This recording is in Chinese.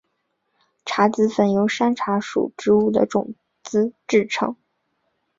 茶籽粉由山茶属植物的种子制成。